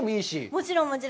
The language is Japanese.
もちろん、もちろん。